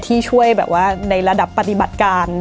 ที่ช่วยแบบว่าในระดับปฏิบัติการ